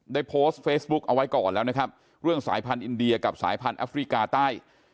ได้โพสต์เฟซบุ๊กเอาไว้ก่อนแล้วนะครับเรื่องสายพันธุ์อินเดียกับสายพันธุแอฟริกาใต้